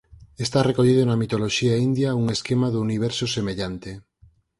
Está recollido na mitoloxía india un esquema do universo semellante.